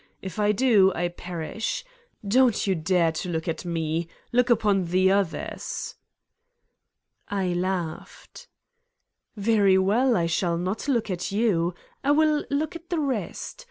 If I do, I perish. Don 't you dare to look at me ! Look upon the others!" I laughed. "Very well. I shall not look at you. I will look at the rest.